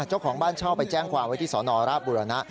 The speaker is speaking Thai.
เจ้าของบ้านเช่าไปแจ้งความไว้ที่สนราชบุรณะ